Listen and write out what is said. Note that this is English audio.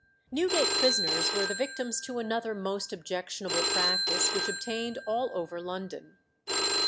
Newgate prisoners were the victims to another most objectionable practice which obtained all over London.